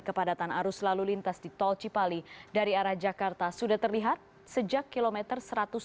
kepadatan arus lalu lintas di tol cipali dari arah jakarta sudah terlihat sejak kilometer satu ratus tujuh puluh